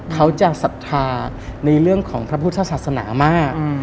เขาจะศรัทธาในเรื่องของพระพุทธศาสนามาก